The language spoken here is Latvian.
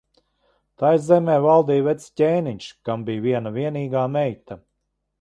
Tai zemē valdīja vecs ķēniņš, kam bija viena vienīga meita.